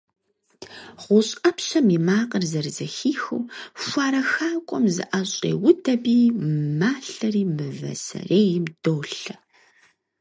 ГъущӀ Ӏэпщэм и макъыр зэрызэхихыу, хуарэ хакӀуэм зыӀэщӀеуд аби, малъэри мывэ сэрейм долъэ.